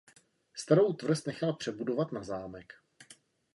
Starou tvrz nechal přebudovat na zámek.